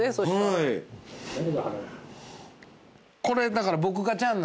これだから。